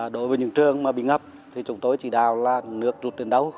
đối với những trường mà bị ngập thì chúng tôi chỉ đào là nước rút đến đâu